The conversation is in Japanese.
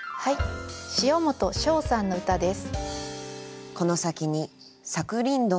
塩本抄さんの歌です。